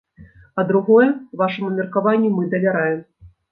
А другое, вашаму меркаванню мы давяраем.